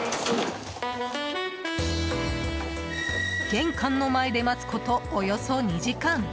玄関の前で待つことおよそ２時間。